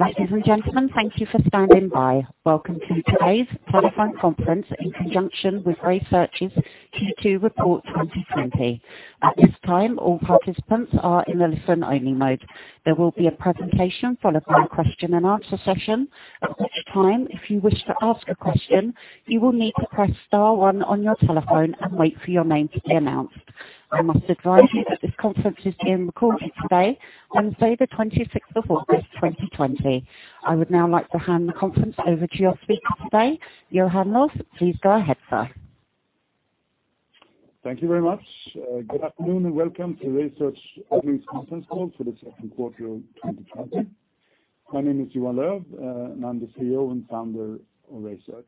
Ladies and gentlemen, thank you for standing by. Welcome to today's telephone conference in conjunction with RaySearch's Q2 Report 2020. At this time, all participants are in the listen-only mode. There will be a presentation followed by a question-and-answer session, at which time, if you wish to ask a question, you will need to press star one on your telephone and wait for your name to be announced. I must advise you that this conference is being recorded today, Wednesday, the 26th of August, 2020. I would now like to hand the conference over to your speaker today, Johan Löf. Please go ahead, sir. Thank you very much. Good afternoon and welcome to RaySearch's Opening Conference Call for the Q2 of 2020. My name is Johan Löf, and I'm the CEO and founder of RaySearch.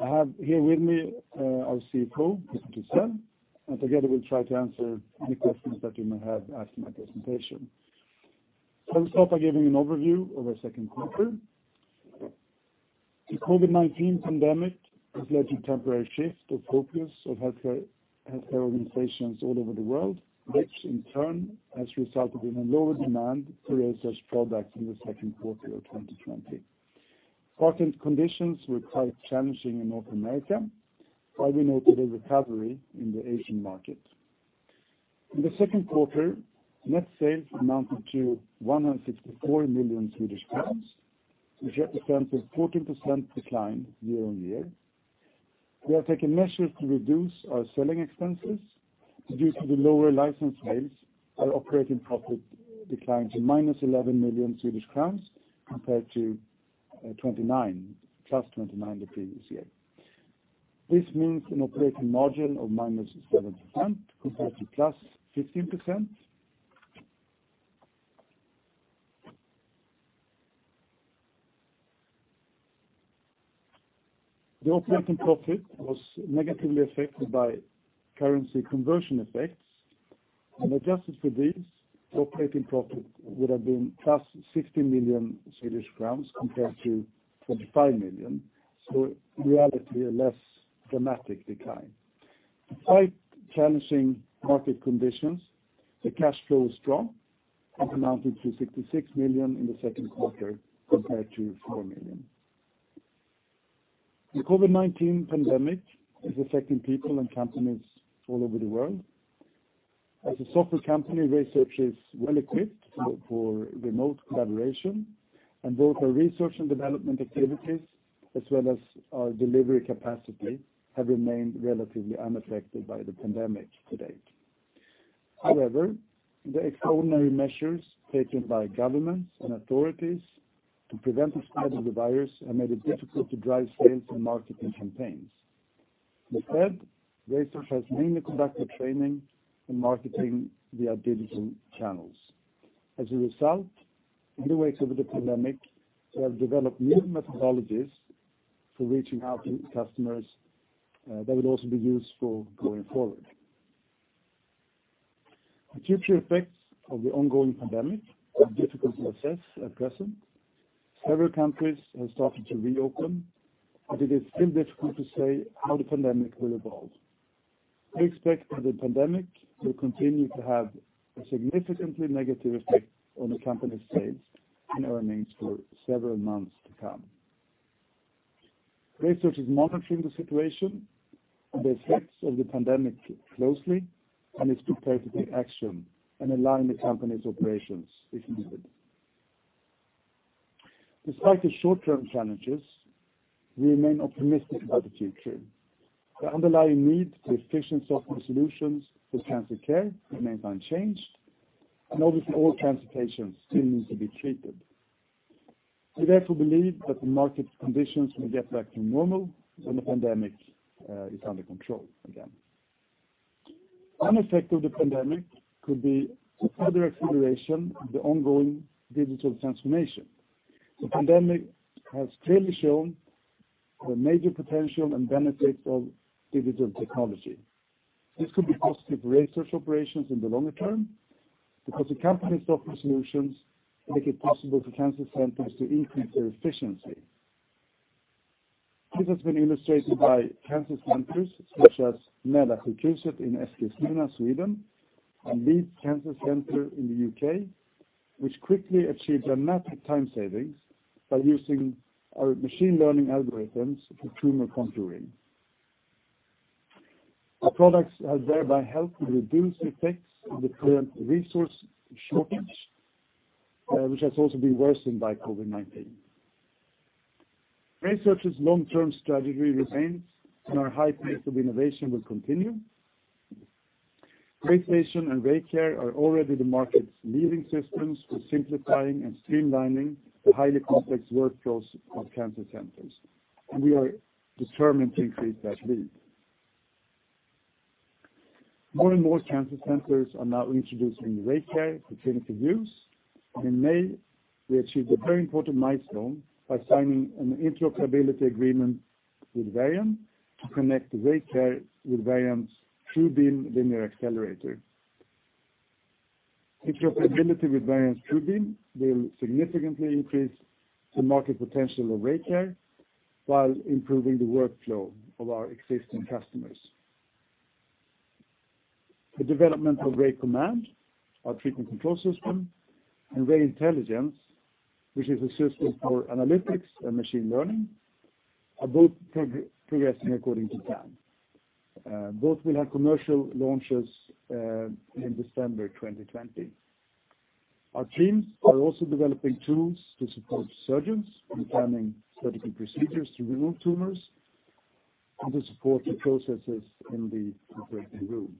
I have here with me our CFO, Peter Thysell, and together we'll try to answer any questions that you may have after my presentation. First off, I'll give you an overview of our Q2. The COVID-19 pandemic has led to a temporary shift of focus of healthcare organizations all over the world, which in turn has resulted in a lower demand for RaySearch products in the Q2 of 2020. Market conditions were quite challenging in North America, while we noted a recovery in the Asian market. In the Q2, net sales amounted to 164 million SEK, which represents a 14% decline year-on-year. We have taken measures to reduce our selling expenses. Due to the lower license fees, our operating profit declined to minus 11 million Swedish crowns compared to plus 29 million the previous year. This means an operating margin of minus 7% compared to plus 15%. The operating profit was negatively affected by currency conversion effects. When adjusted for these, the operating profit would have been plus 60 million Swedish crowns compared to 25 million, so in reality, a less dramatic decline. Despite challenging market conditions, the cash flow was strong and amounted to 66 million in the Q2 compared to 4 million. The COVID-19 pandemic is affecting people and companies all over the world. As a software company, RaySearch is well-equipped for remote collaboration, and both our research and development activities, as well as our delivery capacity, have remained relatively unaffected by the pandemic to date. However, the extraordinary measures taken by governments and authorities to prevent the spread of the virus have made it difficult to drive sales and marketing campaigns. Instead, RaySearch has mainly conducted training and marketing via digital channels. As a result, in the wake of the pandemic, we have developed new methodologies for reaching out to customers that will also be useful going forward. The future effects of the ongoing pandemic are difficult to assess at present. Several countries have started to reopen, but it is still difficult to say how the pandemic will evolve. We expect that the pandemic will continue to have a significantly negative effect on the company's sales and earnings for several months to come. RaySearch is monitoring the situation and the effects of the pandemic closely and is prepared to take action and align the company's operations if needed. Despite the short-term challenges, we remain optimistic about the future. The underlying need for efficient software solutions for cancer care remains unchanged, and obviously, all cancer patients still need to be treated. We therefore believe that the market conditions will get back to normal when the pandemic is under control again. One effect of the pandemic could be the further acceleration of the ongoing digital transformation. The pandemic has clearly shown the major potential and benefits of digital technology. This could be positive for RaySearch operations in the longer term because the company's software solutions make it possible for cancer centers to increase their efficiency. This has been illustrated by cancer centers such as Mälarsjukhuset in Eskilstuna, Sweden, and Leeds Cancer Centre in the UK, which quickly achieved dramatic time savings by using our machine learning algorithms for tumor contouring. Our products have thereby helped to reduce the effects of the current resource shortage, which has also been worsened by COVID-19. RaySearch's long-term strategy remains, and our high pace of innovation will continue. RayStation and RayCare are already the market's leading systems for simplifying and streamlining the highly complex workflows of cancer centers, and we are determined to increase that lead. More and more cancer centers are now introducing RayCare for clinical use, and in May, we achieved a very important milestone by signing an interoperability agreement with Varian to connect RayCare with Varian's TrueBeam linear accelerator. Interoperability with Varian's TrueBeam will significantly increase the market potential of RayCare while improving the workflow of our existing customers. The development of RayCommand, our treatment control system, and RayIntelligence, which is a system for analytics and machine learning, are both progressing according to plan. Both will have commercial launches in December 2020. Our teams are also developing tools to support surgeons in planning surgical procedures to remove tumors and to support the processes in the operating room.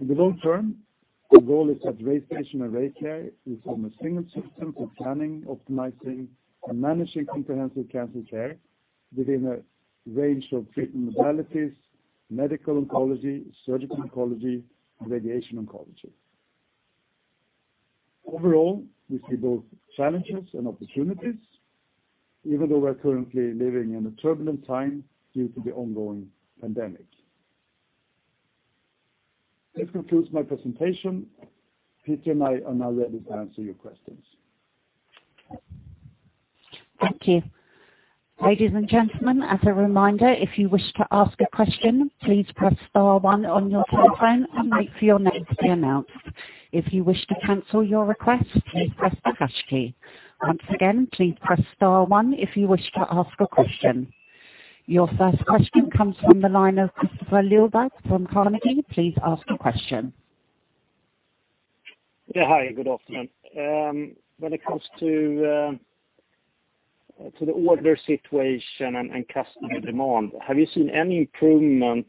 In the long term, the goal is that RayStation and RayCare will form a single system for planning, optimizing, and managing comprehensive cancer care within a range of treatment modalities, medical oncology, surgical oncology, and radiation oncology. Overall, we see both challenges and opportunities, even though we're currently living in a turbulent time due to the ongoing pandemic. This concludes my presentation. Peter and I are now ready to answer your questions. Thank you. Ladies and gentlemen, as a reminder, if you wish to ask a question, please press star one on your telephone and wait for your name to be announced. If you wish to cancel your request, please press the hash key. Once again, please press star one if you wish to ask a question. Your first question comes from the line of Kristofer Liljeberg from Carnegie please ask a question. Yeah, hi good afternoon. When it comes to the order situation and customer demand, have you seen any improvement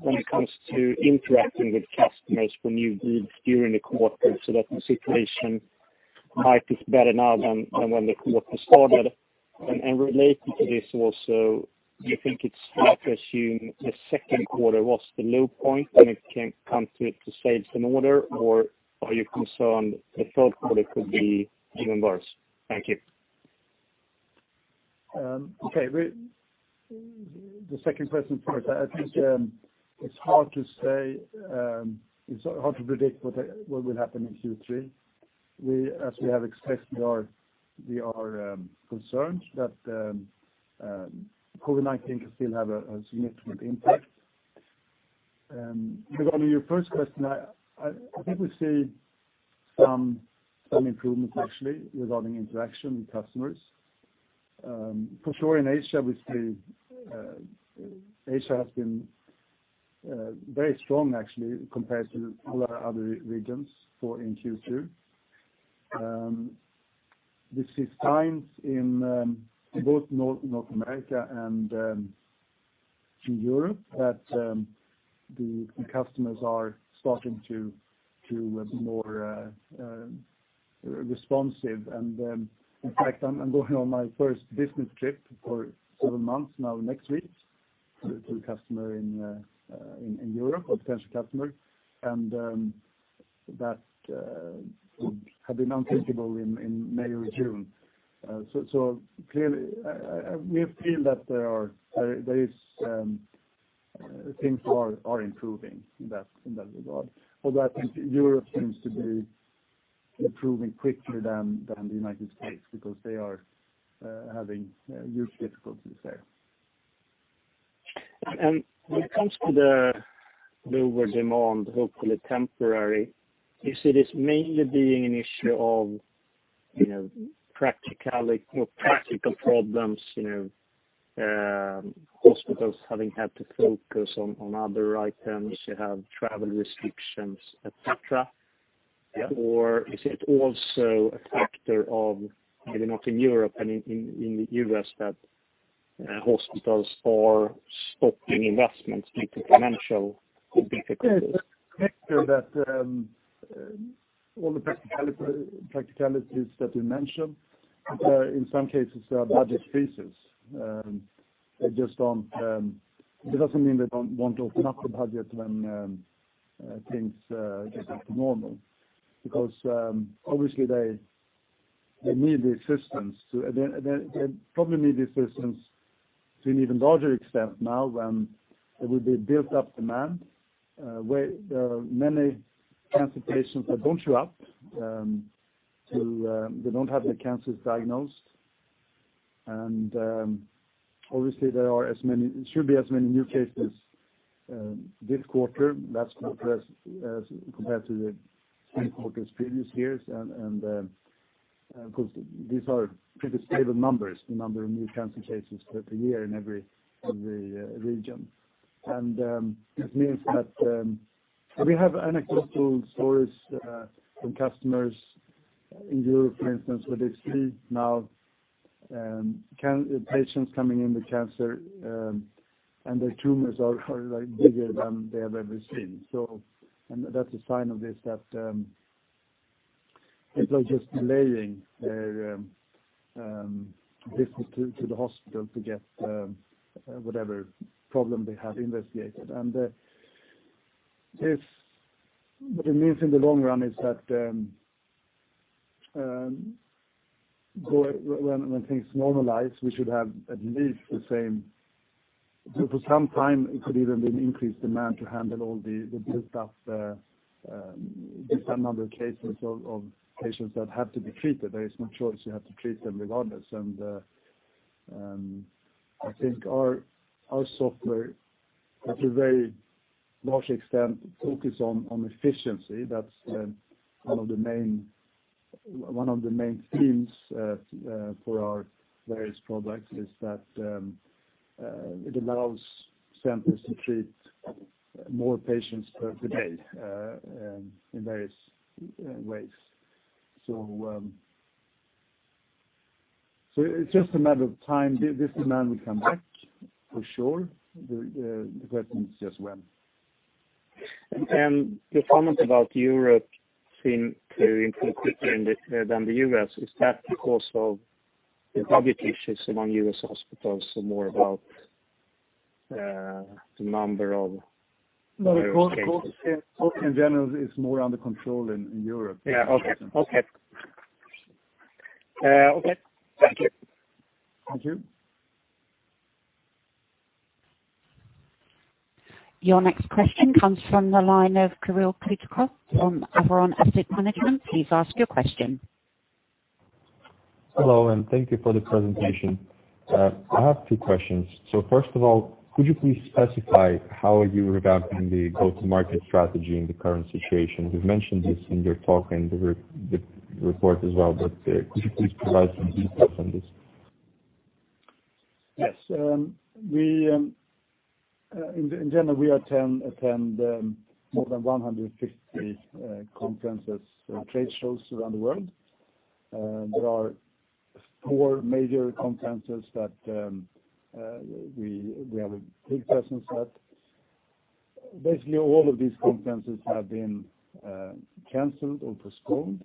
when it comes to interacting with customers for new deals during the quarter so that the situation might be better now than when the quarter started? And related to this also, do you think it's fair to assume the Q2 was the low point when it came to sales and orders, or are you concerned the Q3 could be even worse? Thank you. Okay. The second question, first, I think it's hard to say. It's hard to predict what will happen in Q3. As we have expressed, we are concerned that COVID-19 can still have a significant impact. Regarding your first question, I think we see some improvement, actually, regarding interaction with customers. For sure, in Asia, we see Asia has been very strong, actually, compared to all our other regions in Q2. We see signs in both North America and in Europe that the customers are starting to be more responsive and in fact, I'm going on my first business trip for several months now next week to a customer in Europe, a potential customer, and that would have been unthinkable in May or June so, clearly, we feel that there are things that are improving in that regard. Although I think Europe seems to be improving more quickly than the United States because they are having huge difficulties there. When it comes to the lower demand, hopefully temporary, you see this mainly being an issue of practical problems, hospitals having had to focus on other items, you have travel restrictions, etc.? Yeah. Or is it also a factor of maybe not in Europe, but in the U.S., that hospitals are stopping investments due to financial difficulties? It's a factor that all the practicalities that you mentioned, in some cases, there are budget freezes. It just doesn't mean they don't want to open up the budget when things get back to normal because obviously, they need the assistance they probably need the assistance to an even larger extent now when there will be built-up demand. There are many cancer patients that don't show up. They don't have their cancers diagnosed. And obviously, there should be as many new cases this quarter as compared to the quarters previous years and of course, these are pretty stable numbers, the number of new cancer cases per year in every region. And this means that we have unexpected stories from customers in Europe, for instance, where they see now patients coming in with cancer, and their tumors are bigger than they have ever seen. That's a sign of this that people are just delaying their visits to the hospital to get whatever problem they have investigated. What it means in the long run is that when things normalize, we should have at least the same for some time it could even be an increased demand to handle all the stuff. There's a number of cases of patients that have to be treated there is no choice you have to treat them regardless. I think our software, to a very large extent, focuses on efficiency that's one of the main themes for our various products is that it allows centers to treat more patients per day in various ways. It's just a matter of time this demand will come back, for sure. The question is just when. Your comment about Europe seemed to improve quicker than the U.S. Is that because of the budget issues among U.S. hospitals or more about the number of? In general, it's more under control in Europe. Yeah. Okay. Okay. Okay. Thank you. Thank you. Your next question comes from the line of Kirill Kutlukov from Avaron Asset Management please ask your question. Hello, and thank you for the presentation. I have two questions. So first of all, could you please specify how you are adapting the go-to-market strategy in the current situation you've mentioned this in your talk and the report as well, but could you please provide some details on this? Yes. In general, we attend more than 150 conferences and trade shows around the world. There are four major conferences that we have a big presence at. Basically, all of these conferences have been canceled or postponed,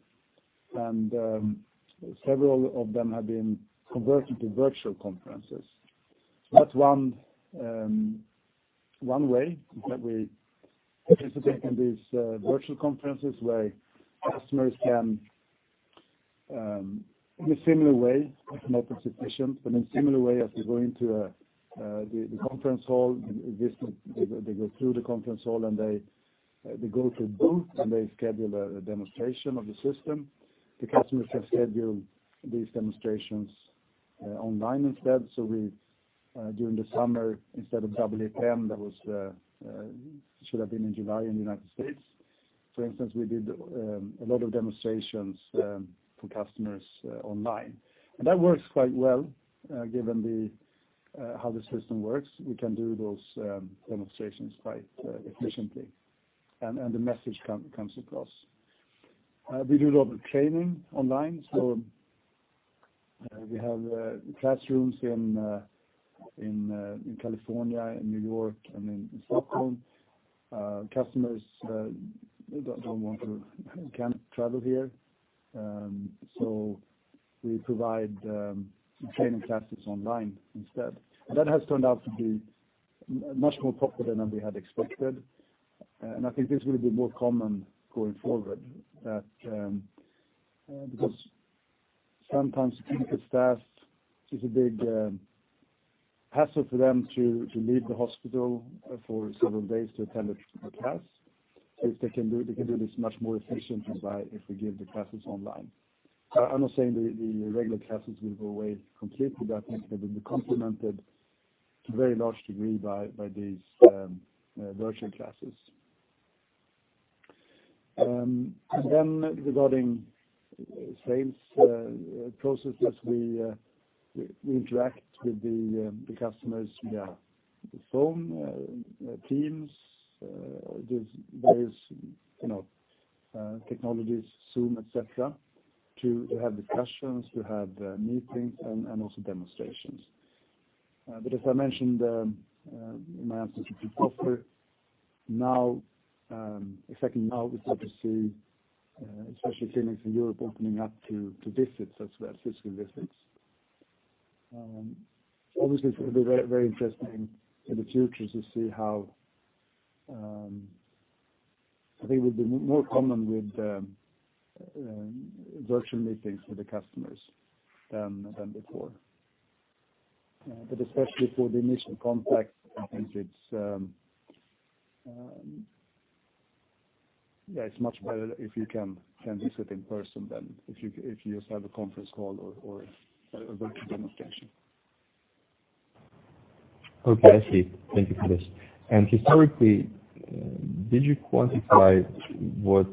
and several of them have been converted to virtual conferences. That's one way that we participate in these virtual conferences where customers can, in a similar way, not as efficient, but in a similar way as they go into the conference hall, they go through the conference hall, and they go to a booth, and they schedule a demonstration of the system. The customers can schedule these demonstrations online instead so, during the summer, instead of AA 10, that should have been in July in the United States, for instance, we did a lot of demonstrations for customers online. And that works quite well given how the system works. We can do those demonstrations quite efficiently, and the message comes across. We do a lot of training online. So we have classrooms in California, in New York, and in Stockholm. Customers don't want to, can't travel here. So we provide training classes online instead. That has turned out to be much more popular than we had expected. And I think this will be more common going forward because sometimes the clinical staff, it's a big hassle for them to leave the hospital for several days to attend a class. So if they can do this, they can do this much more efficiently by if we give the classes online. I'm not saying the regular classes will go away completely, but I think they will be complemented to a very large degree by these virtual classes. And then regarding sales processes, we interact with the customers via phone, Teams, various technologies, Zoom, etc., to have discussions, to have meetings, and also demonstrations. But as I mentioned in my answer to Kristofer, now, exactly now, we start to see especially clinics in Europe opening up to visits as well, physical visits. Obviously, it will be very interesting in the future to see how I think it will be more common with virtual meetings for the customers than before. But especially for the initial contact, I think it's, yeah, it's much better if you can visit in person than if you just have a conference call or a virtual demonstration. Okay. I see. Thank you for this and historically, did you quantify what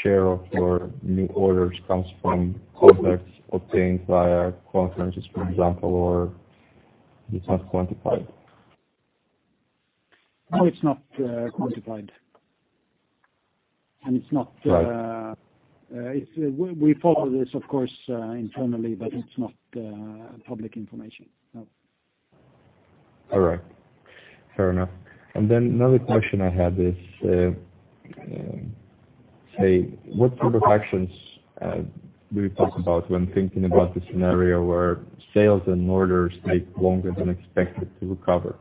share of your new orders comes from contacts obtained via conferences, for example, or is it not quantified? No, it's not quantified. And it's not. We follow this, of course, internally, but it's not public information no. All right. Fair enough. And then another question I had is, say, what sort of actions do you talk about when thinking about the scenario where sales and orders take longer than expected to recover?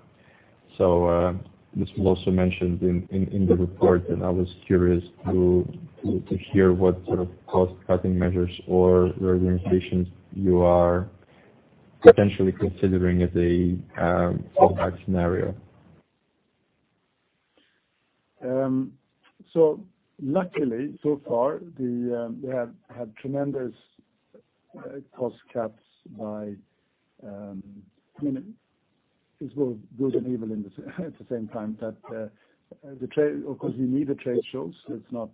So this was also mentioned in the report, and I was curious to hear what sort of cost-cutting measures or organizations you are potentially considering as a fallback scenario. Luckily, so far, we have had tremendous cost cuts. I mean, it's both good and evil at the same time that the trade of course, we need the trade shows it's not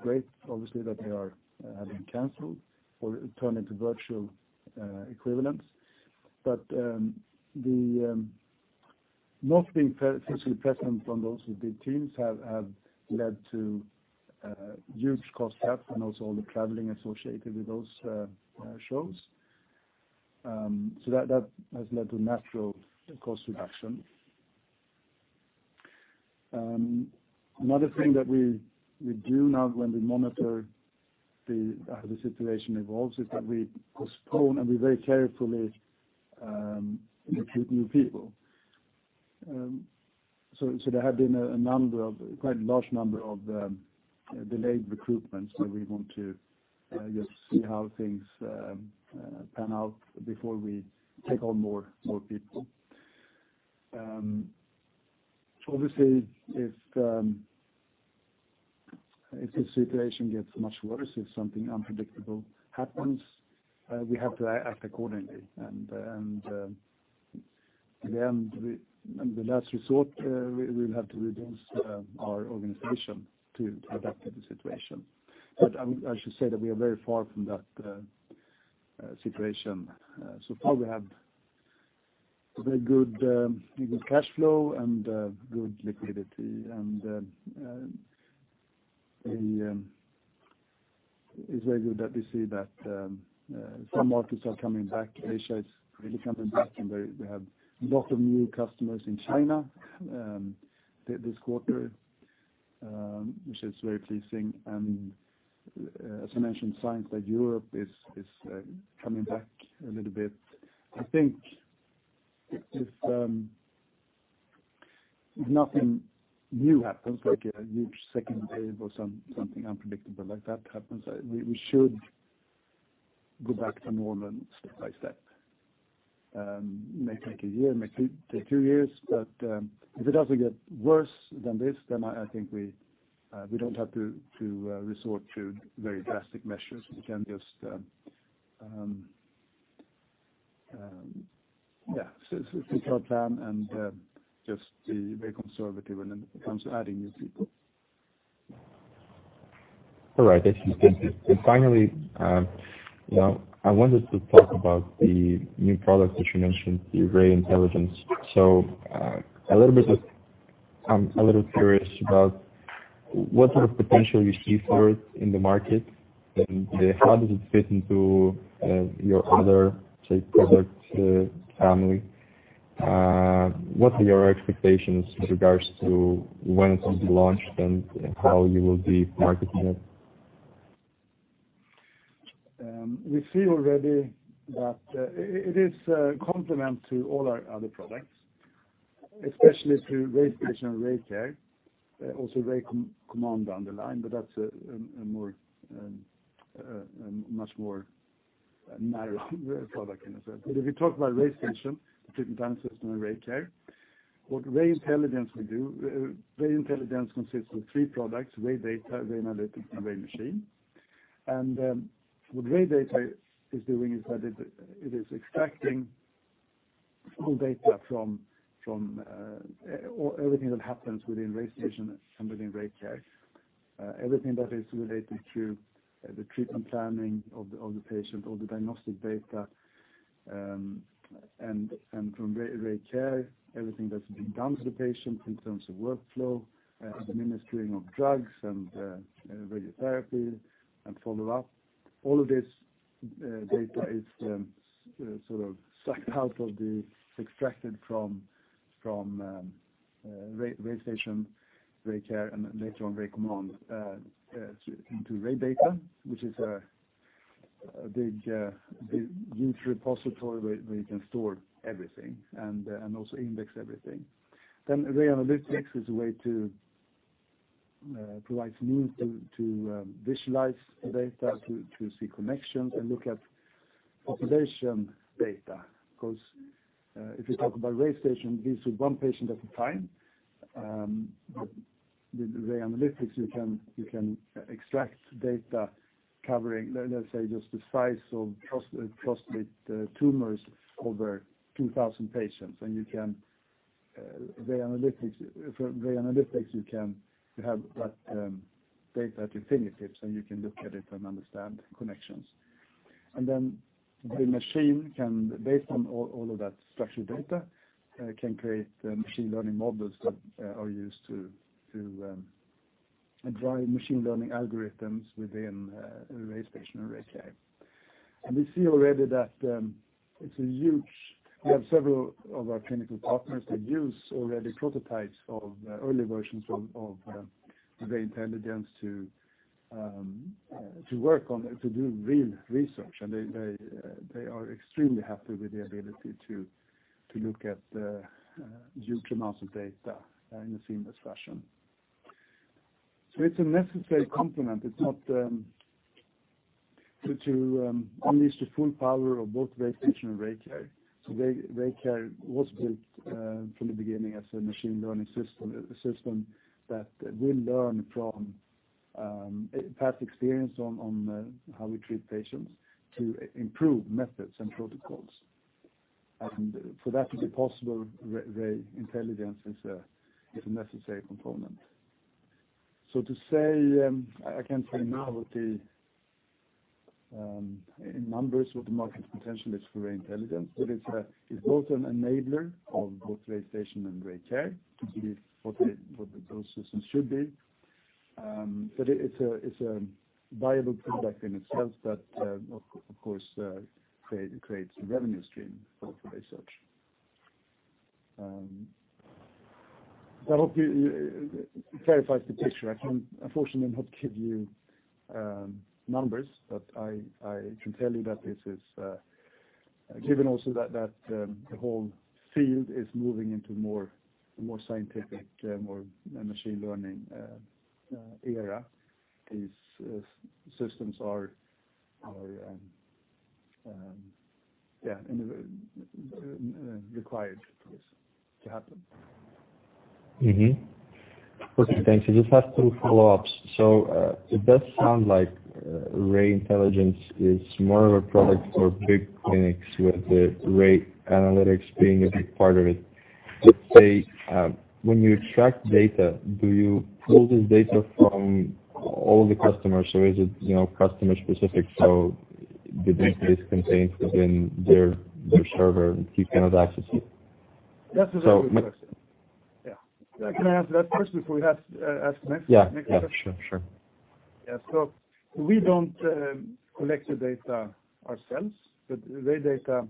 great, obviously, that they are having canceled or turned into virtual equivalents. But the not being physically present on those big events have led to huge cost cuts and also all the traveling associated with those shows. So that has led to a natural cost reduction. Another thing that we do now when we monitor how the situation evolves is that we postpone and we very carefully recruit new people. So there have been a number of quite large number of delayed recruitments where we want to just see how things pan out before we take on more people. Obviously, if the situation gets much worse, if something unpredictable happens, we have to act accordingly and in the end, the last resort, we will have to reduce our organization to adapt to the situation. But i should say that we are very far from that situation. So far, we have very good cash flow and good liquidity and it's very good that we see that some markets are coming back, Asia is really coming back, and we have a lot of new customers in China this quarter, which is very pleasing and as I mentioned, signs that Europe is coming back a little bit. I think if nothing new happens, like a huge second wave or something unpredictable like that happens, we should go back to normal step by step. May take a year, may take two years but if it doesn't get worse than this, then I think we don't have to resort to very drastic measures we can just, yeah, think of a plan and just be very conservative when it comes to adding new people. All right thank you and finally, I wanted to talk about the new products that you mentioned, the RaySearch Intelligence. So, a little bit, I'm a little curious about what sort of potential you see for it in the market, and how does it fit into your other, say, product family? What are your expectations with regards to when it will be launched and how you will be marketing it? We see already that it is a complement to all our other products, especially to RayStation and RayCare, also RayCommand on the line, but that's a much more narrow product, in a sense, but if you talk about RayStation, the treatment analysis and RayCare, what RaySearch Intelligence will do, RaySearch Intelligence consists of three products: RayData, RayAnalytics, and RayMachine, and what RayData is doing is that it is extracting full data from everything that happens within RayStation and within RayCare, everything that is related to the treatment planning of the patient, all the diagnostic data. From RayCare, everything that's been done to the patient in terms of workflow, administering of drugs and radiotherapy and follow-up, all of this data is sort of sucked out of, extracted from RayStation, RayCare, and later on RayCommand into RayData, which is a big huge repository where you can store everything and also index everything. RayAnalytics is a way to provide smooth to visualize data, to see connections, and look at population data because if you talk about RayStation, these are one patient at a time. With RayAnalytics, you can extract data covering, let's say, just the size of prostate tumors over 2,000 patients with RayAnalytics, you can have that data at your fingertips, and you can look at it and understand connections. RayMachine can, based on all of that structured data, create machine learning models that are used to drive machine learning algorithms within RayStation and RayCare. We see already that it's huge. We have several of our clinical partners that use already prototypes of early versions of RaySearch Intelligence to work on, to do real research they are extremely happy with the ability to look at huge amounts of data in a seamless fashion. It's a necessary complement it's not to unleash the full power of both RayStation and RayCare, RayCare was built from the beginning as a machine learning system that will learn from past experience on how we treat patients to improve methods and protocols. For that to be possible, RaySearch Intelligence is a necessary component. So to say, I can't say now in numbers what the market potential is for RaySearch Intelligence, but it's both an enabler of both RayStation and RayCare to be what those systems should be. But it's a viable product in itself that, of course, creates a revenue stream for RaySearch. That clarifies the picture. I can, unfortunately, not give you numbers, but I can tell you that this is given also that the whole field is moving into a more scientific, more machine learning era. These systems are, yeah, required to happen. Okay thanks i just have two follow-ups so, it does sound like RayIntelligence is more of a product for big clinics, with RayAnalytics being a big part of it. But say, when you extract data, do you pull this data from all of the customers? Or is it customer-specific? So the data is contained within their server, and people cannot access it? That's a very good question. Yeah can i answer that first before we ask the next question? Yeah yeah. Sure. Sure. Yeah. So we don't collect the data ourselves, but RayData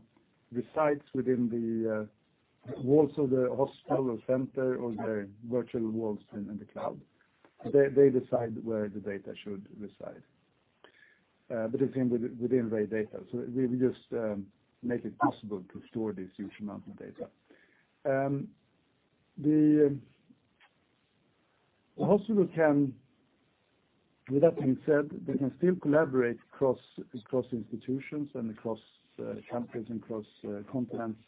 resides within the walls of the hospital or center or the virtual walls in the cloud. They decide where the data should reside. But it's within RayData. So we just make it possible to store this huge amount of data. The hospital can, with that being said, they can still collaborate across institutions and across countries and across continents.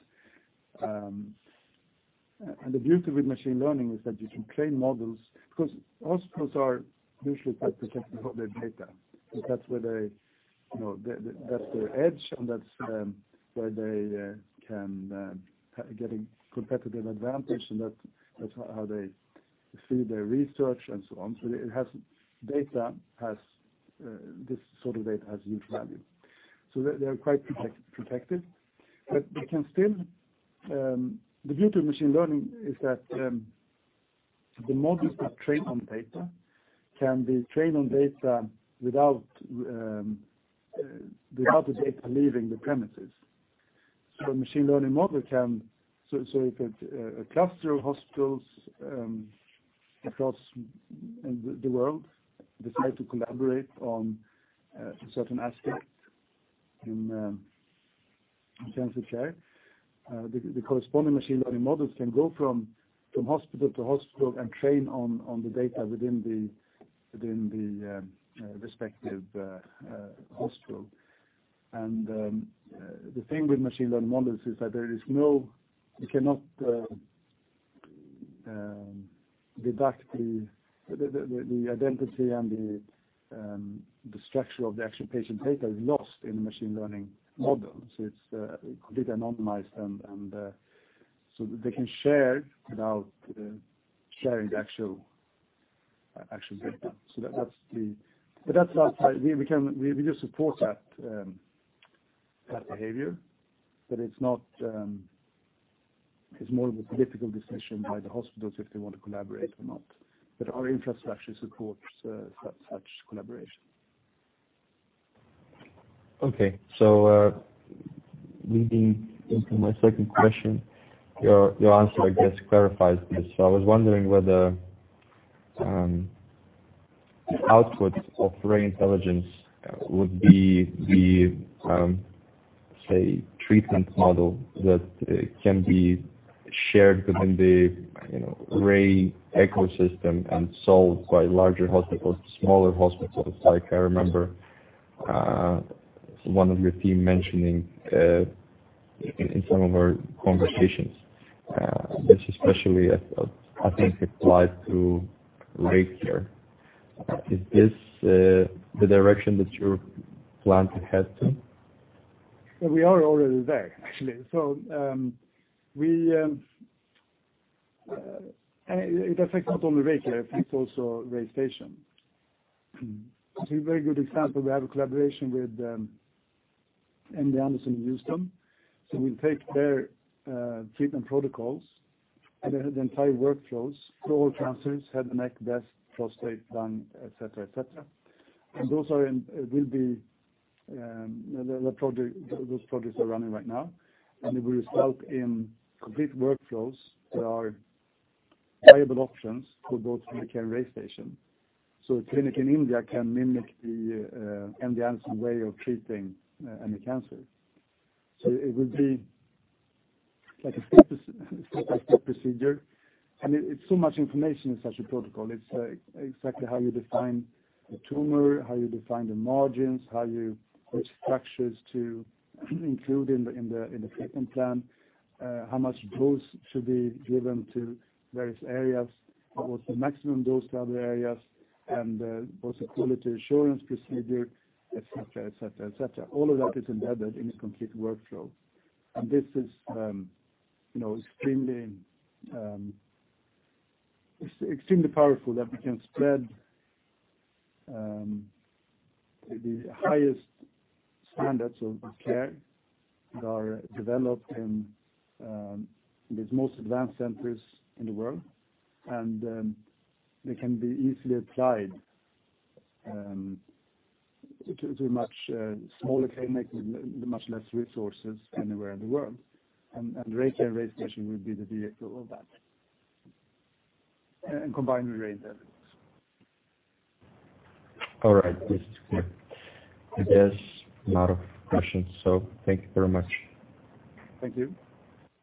And the beauty with machine learning is that you can train models because hospitals are usually quite protected for their data. That's where they, that's their edge, and that's where they can get a competitive advantage, and that's how they feed their research and so on so data has this sort of huge value. So they are quite protected. But the beauty of machine learning is that the models that train on data can be trained on data without the data leaving the premises. So a machine learning model can, so if it's a cluster of hospitals across the world that decide to collaborate on a certain aspect in cancer care, the corresponding machine learning models can go from hospital to hospital and train on the data within the respective hospital. And the thing with machine learning models is that there is no, you cannot deduce the identity and the structure of the actual patient data is lost in a machine learning model so it's completely anonymized. And so they can share without sharing the actual data so that's how we do support that behavior. But it's more of a political decision by the hospitals if they want to collaborate or not. But our infrastructure supports such collaboration. Okay. So leading into my second question, your answer, I guess, clarifies this so I was wondering whether the output of RaySearch Intelligence would be the, say, treatment model that can be shared within the RaySearch ecosystem and sold by larger hospitals to smaller hospitals i remember one of your team mentioning in some of our conversations, this especially I think applied to RayCare. Is this the direction that you plan to head to? Yeah we are already there, actually. So it affects not only RayCare it affects also RayStation. So a very good example, we have a collaboration with MD Anderson in Houston. So we'll take their treatment protocols and the entire workflows for all cancers, head and neck, breast, prostate, lung, etc., etc. And those projects are running right now and it will result in complete workflows that are viable options for both RayCare and RayStation. So a clinic in India can mimic the MD Anderson way of treating any cancer. So it will be like a step-by-step procedure and it's so much information in such a protocol it's exactly how you define the tumor, how you define the margins, which structures to include in the treatment plan, how much dose should be given to various areas, what's the maximum dose to other areas, and what's the quality assurance procedure, etc., etc., etc. all of that is embedded in a complete workflow. And this is extremely powerful that we can spread the highest standards of care that are developed in these most advanced centers in the world. And they can be easily applied to a much smaller clinic with much less resources anywhere in the world. And RayCare and RayStation will be the vehicle of that, combined with RaySearch Intelligence. All right. This is clear. I guess a lot of questions, so thank you very much. Thank you.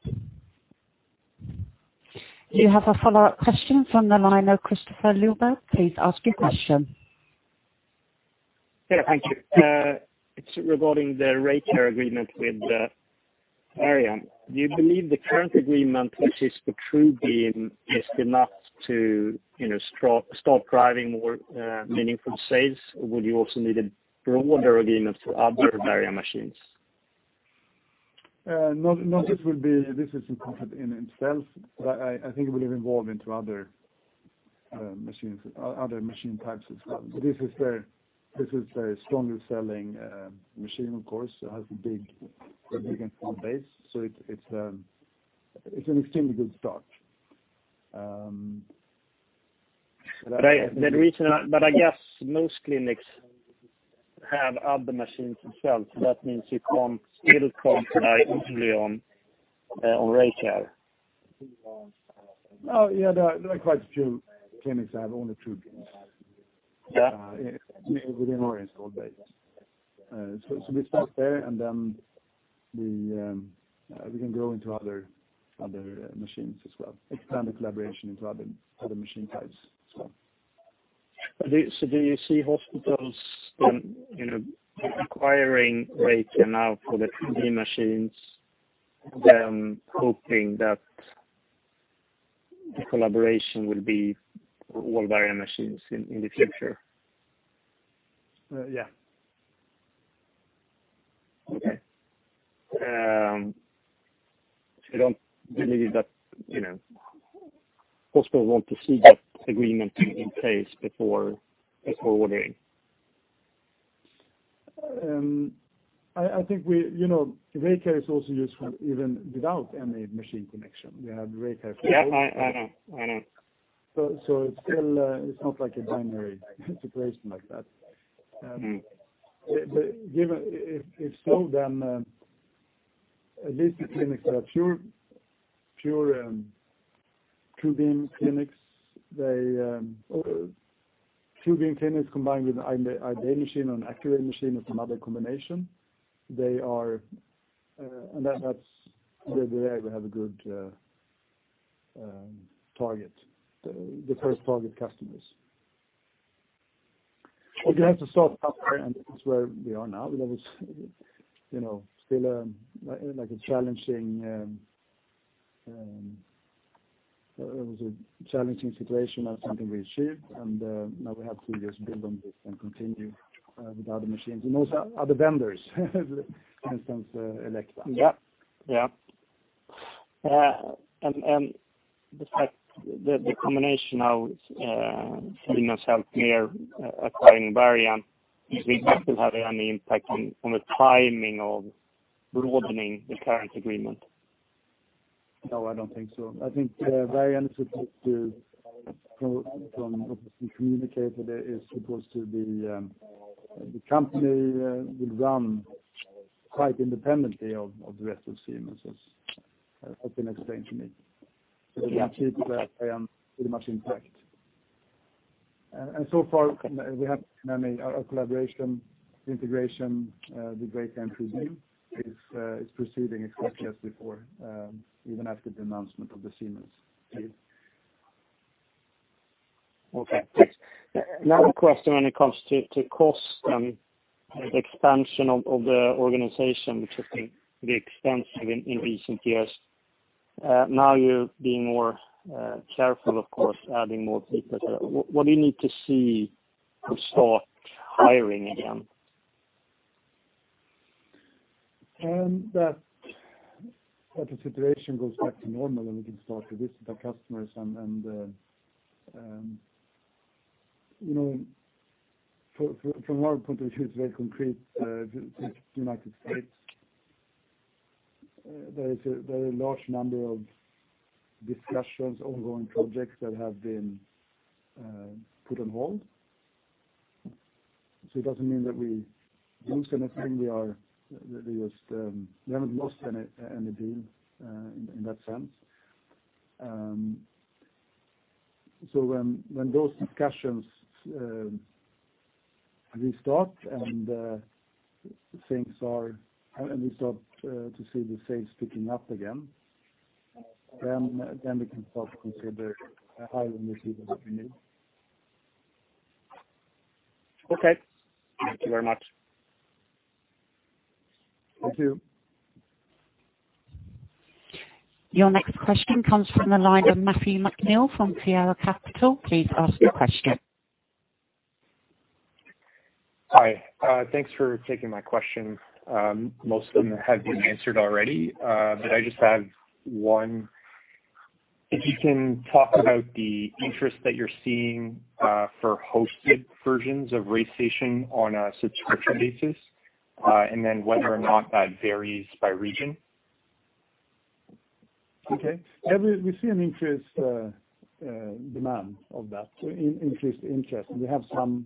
Do you have a follow-up question from the line of Kristofer Liljeberg? Please ask your question. Yeah thank you. It's regarding the RayCare agreement with Varian. Do you believe the current agreement, which is the TrueBeam, is enough to start driving more meaningful sales? Or would you also need a broader agreement for other Varian Machines. No, not this this isn't in itself. But I think it will be involved into other machine types as well but this is a very strongly selling machine, of course. It has a big base so it's an extremely good start. But I guess most clinics have other machines themselves so that means you can't still comply easily on RayCare. Oh, yeah. There are quite a few clinics that have only TrueBeam within our installed base. So we start there, and then we can grow into other machines as well, expand the collaboration into other machine types as well. So do you see hospitals acquiring RayCare now for the machines and then hoping that the collaboration will be for all RaySearch Intelligence machines in the future? Yeah. Okay. So you don't believe that hospitals want to see that agreement in place before ordering? I think RayCare is also useful even without any machine connection we have RayCare for. Yeah. I know. I know. It's not like a binary situation like that but if so, then at least the clinics that are pure TrueBeam clinics, they TrueBeam clinics combined with an IBA machine or an Elekta machine or some other combination, they are and that's where we have a good target, the first target customers. But we have to start somewhere, and this is where we are now that was still a challenging situation and something we achieved and now we have to just build on this and continue with other machines and also other vendors, for instance, Elekta. Yeah. Yeah. And the combination now seems to help in acquiring Varian does it still have any impact on the timing of broadening the current agreement? No, I don't think so i think Varian is supposed to from what has been communicated, it is supposed to be the company will run quite independently of the rest of Siemens, as has been explained to me. So they will keep Varian pretty much intact. And so far, we haven't seen any collaboration, integration with RayCare and TrueBeam is proceeding exactly as before, even after the announcement of the Siemens deal. Okay thanks. Another question when it comes to cost and the expansion of the organization, which has been very extensive in recent years. Now you're being more careful, of course, adding more people what do you need to see to start hiring again? That the situation goes back to normal and we can start to visit our customers. From our point of view, it's very concrete it's the United States. There is a large number of discussions, ongoing projects that have been put on hold. It doesn't mean that we lose anything we haven't lost any deal in that sense. When those discussions restart and things are, we start to see the sales picking up again, then we can start to consider hiring the people that we need. Okay. Thank you very much. Thank you. Your next question comes from the line of Matthew McNeill from Fiera Capital please ask your question. Hi. Thanks for taking my question. Most of them have been answered already. But I just have one if you can talk about the interest that you're seeing for hosted versions of RayStation on a subscription basis? and then whether or not that varies by region? Okay yeah we see an increased demand of that, increased interest we have some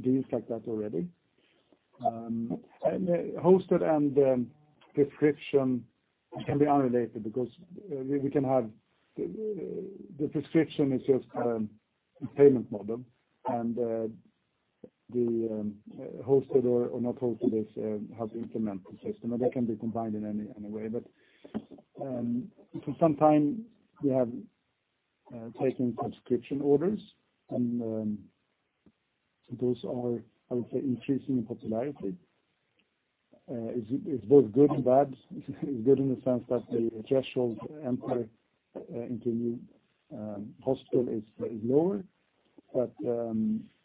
deals like that already. And hosted and subscription can be unrelated because we can have the subscription is just a payment model. And the hosted or not hosted have to implement the system and they can be combined in any way. But for some time, we have taken subscription orders. And those are, I would say, increasing in popularity. It's both good and bad it's good in the sense that the threshold to enter into a new hospital is lower. But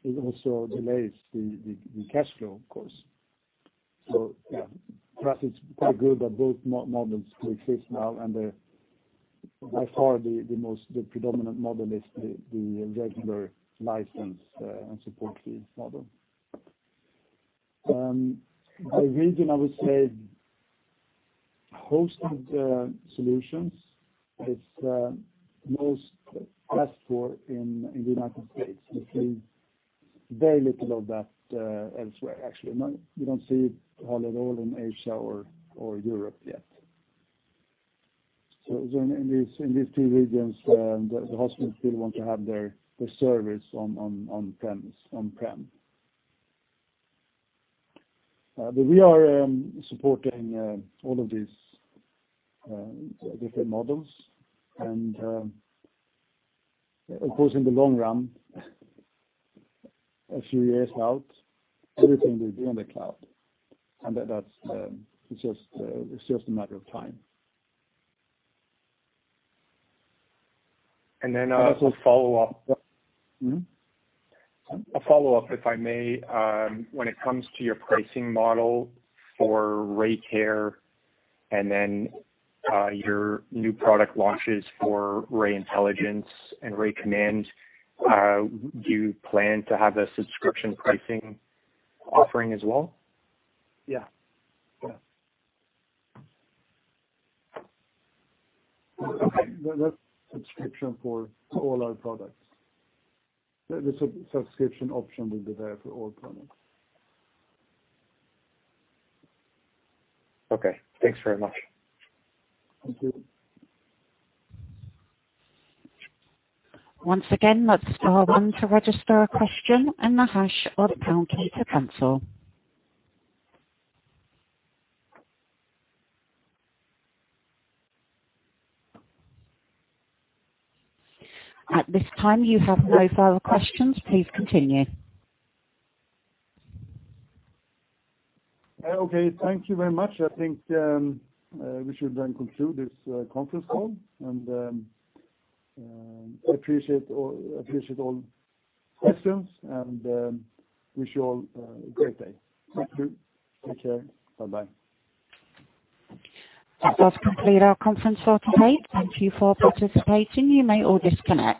it also delays the cash flow, of course. So yeah, for us, it's quite good that both models coexist now and by far, the most predominant model is the regular license and support fee model. By region, I would say hosted solutions is most asked for in the United States we see very little of that elsewhere, actually we don't see it at all in Asia or Europe yet, so in these two regions, the hospitals still want to have their service on-prem, but we are supporting all of these different models, and of course, in the long run, a few years out, everything will be on the cloud, and that's just a matter of time. And then a follow-up. A follow-up, if I may, when it comes to your pricing model for RayCare and then your new product launches for RaySearch Intelligence and RayCommand, do you plan to have a subscription pricing offering as well? Yeah. Yeah. Okay. That's subscription for all our products. The subscription option will be there for all products. Okay. Thanks very much. Thank you. Once again, that's the one to register a question in the queue for the conference call. At this time, you have no further questions please continue. Okay thank you very muc i think we should then conclude this conference call and I appreciate all questions and wish you all a great day. Thank you. Take care. Bye-bye. That does complete our conference for today. Thank you for participating. You may all disconnect.